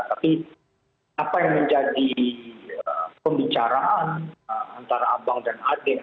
tapi apa yang menjadi pembicaraan antara abang dan ade